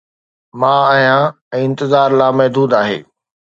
مان آهيان ۽ انتظار لامحدود آهي